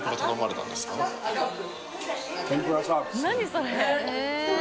それ。